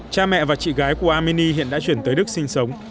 cha mẹ và chị gái của amini hiện đã chuyển tới đức sinh sống